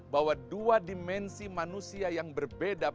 bahwa dua dimensi manusia yang berada di dalamnya